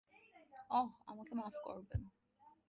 অহ, আমাকে মাফ করবেন।